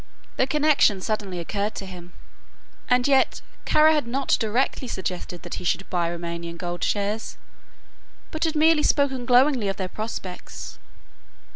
The connection suddenly occurred to him, and yet Kara had not directly suggested that he should buy Roumanian gold shares, but had merely spoken glowingly of their prospects.